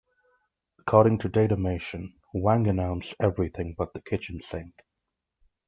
According to Datamation, Wang announced everything but the kitchen sink.